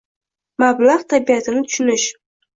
Mablag‘ tabiatini tushunish.